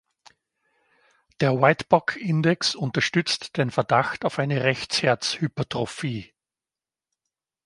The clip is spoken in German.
Der Whitebock-Index unterstützt den Verdacht auf eine Rechtsherz-Hypertrophie.